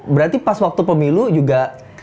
berarti pas waktu pemilu juga